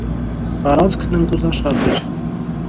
Տարածքն ընկուզաշատ էր։